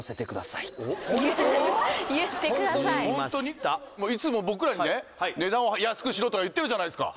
いつも僕らにねはい値段を安くしろとか言ってるじゃないですか